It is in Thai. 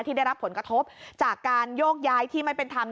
ได้รับผลกระทบจากการโยกย้ายที่ไม่เป็นธรรม